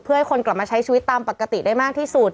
เพื่อให้คนกลับมาใช้ชีวิตตามปกติได้มากที่สุด